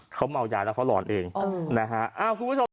เขาเมายาแล้วเขาหลอนเองนะฮะ